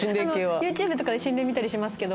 ＹｏｕＴｕｂｅとかで心霊見たりしますけど。